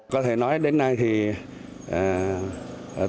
có thể nói là anh chị rất vui mừng